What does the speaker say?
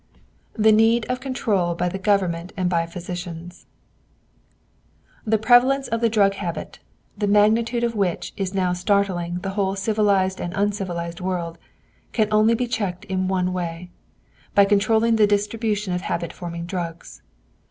THE NEED OF CONTROL BY THE GOVERNMENT AND BY PHYSICIANS The prevalence of the drug habit, the magnitude of which is now startling the whole civilized and uncivilized world, can be checked only in one way by controlling the distribution of habit forming drugs.